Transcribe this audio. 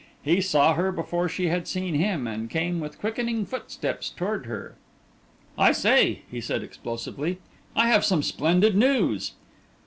He saw her before she had seen him, and came with quickening footsteps toward her. "I say," he said explosively, "I have some splendid news!"